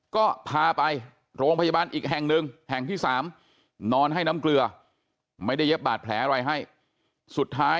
ก็พาไปโรงพยาบาลอีกแห่งหนึ่งแห่งที่สามนอนให้น้ำเกลือไม่ได้เย็บบาดแผลอะไรให้สุดท้าย